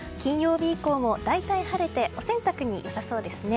金曜日以降も大体晴れてお洗濯に良さそうですね。